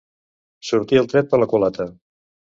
Sortir el tret per la culata.